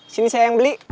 sini saya yang beli